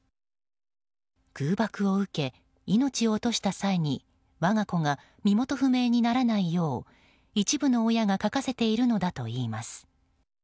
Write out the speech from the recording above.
空爆を受け、命を落とした際に我が子が身元不明にならないよう一部の親が書かせているのだといいます。